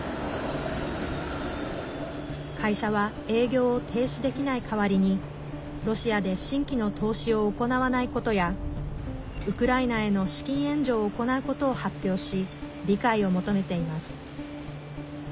会社は営業を停止できない代わりにロシアで新規の投資を行わないことやウクライナへの資金援助を行うことを発表し理解を求めています。